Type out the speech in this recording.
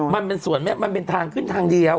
มันเป็นส่วนมันเป็นทางขึ้นทางเดียว